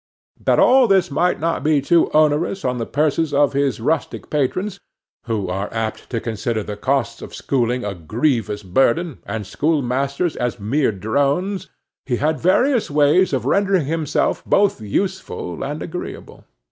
That all this might not be too onerous on the purses of his rustic patrons, who are apt to consider the costs of schooling a grievous burden, and schoolmasters as mere drones, he had various ways of rendering himself both useful and agreeable.